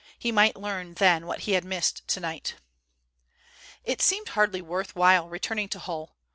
He might learn then what he had missed tonight. It seemed hardly worth while returning to Hull.